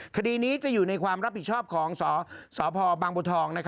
คดีนี้จะอยู่ในความรับผิดชอบของสพบางบัวทอง